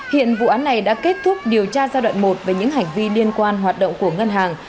hiện vụ án này đã kết thúc điều tra giai đoạn một về những hành vi liên quan hoạt động của ngân hàng